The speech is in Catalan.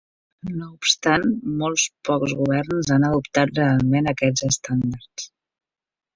No obstant, molts pocs governs han adoptat realment aquests estàndards.